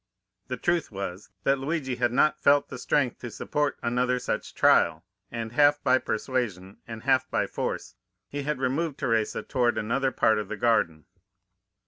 "The truth was, that Luigi had not felt the strength to support another such trial, and, half by persuasion and half by force, he had removed Teresa toward another part of the garden.